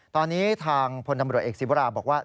ตอนนี้ทางพลตำรวจเอกศิวราบอกว่า